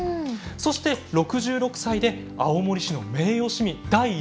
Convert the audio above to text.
そして６６歳で青森市の名誉市民第一号に。